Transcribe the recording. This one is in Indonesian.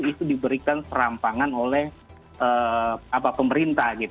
itu diberikan serampangan oleh pemerintah